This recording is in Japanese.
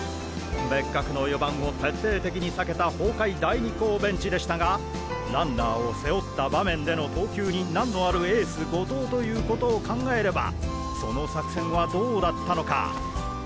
別格の４番を徹底的に避けた法海大二高ベンチでしたがランナーを背負った場面での投球に難のあるエース五嶋ということを考えればその作戦はどうだったのか。